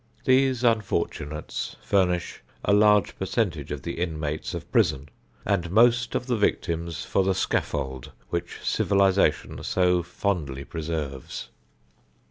These unfortunates furnish a large percentage of the inmates of prison, and most of the victims for the scaffold which civilization so fondly preserves.